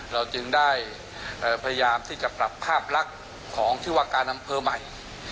เราจึงได้พยายามที่จะปรับภาพลักษณ์ของชื่อว่าการอำเภอใหม่